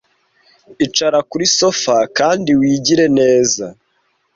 Icara kuri sofa kandi wigire neza.